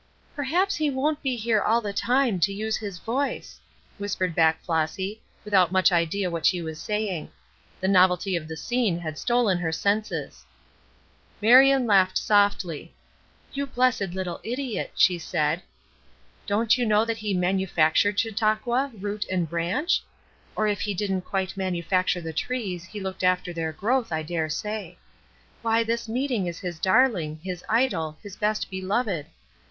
"Perhaps he won't be here all the time to use his voice," whispered back Flossy, without much idea what she was saying. The novelty of the scene had stolen her senses. Marion laughed softly. "You blessed little idiot!" she said, "don't you know that he manufactured Chautauqua, root and branch? Or if he didn't quite manufacture the trees he looked after their growth, I dare say. Why, this meeting is his darling, his idol, his best beloved.